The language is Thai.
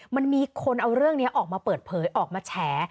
มันมีคนเอาเรื่องนี้ออกมาเปิดเผยออกมาแฉ